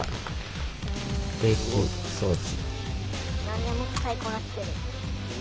何でも使いこなしてる。